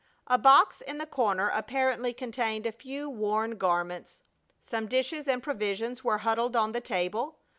A box in the corner apparently contained a few worn garments. Some dishes and provisions were huddled on the table.